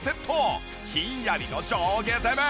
ひんやりの上下攻め！